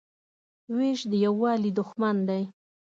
وېش د یووالي دښمن دی.